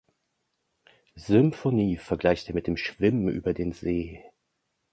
Symphonie verglich er mit dem Schwimmen über den See.